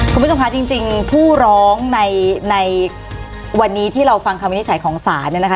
คุณผู้ชมคะจริงผู้ร้องในในวันนี้ที่เราฟังคำวินิจฉัยของศาลเนี่ยนะคะ